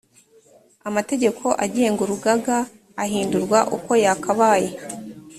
amategeko agenga urugaga ahindurwa uko yakabaye